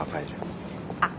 あっ。